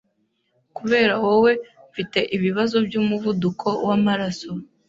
Kubera wowe, mfite ibibazo byumuvuduko wamaraso.